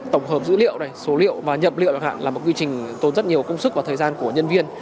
tổng hợp dữ liệu này số liệu và nhập liệu chẳng hạn là một quy trình tốn rất nhiều công sức và thời gian của nhân viên